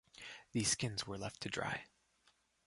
These skins were left to dry.